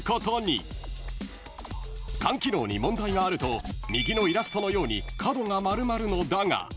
［肝機能に問題があると右のイラストのように角が丸まるのだが］